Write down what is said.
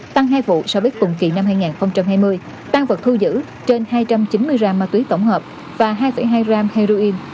tăng hai vụ so với cùng kỳ năm hai nghìn hai mươi tăng vật thu giữ trên hai trăm chín mươi gram ma túy tổng hợp và hai hai gram heroin